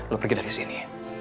lo pergi dari sini